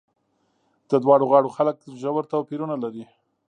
د دواړو غاړو خلک ژور توپیرونه لري.